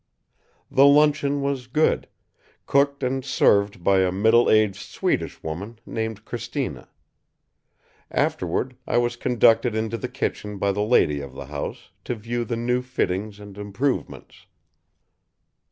The luncheon was good; cooked and served by a middle aged Swedish woman named Cristina. Afterward, I was conducted into the kitchen by the lady of the house, to view the new fittings and improvements.